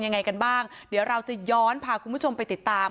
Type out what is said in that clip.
ยังไงกันบ้างเดี๋ยวเราจะย้อนพาคุณผู้ชมไปติดตาม